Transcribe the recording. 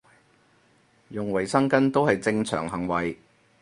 用衞生巾都係正常行為